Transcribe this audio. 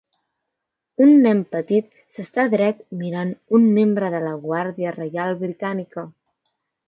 Un nen petit s'està dret mirant un membre de la Guàrdia Reial Britànica.